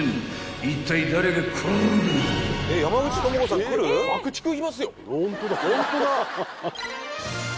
［いったい誰が来るんでい］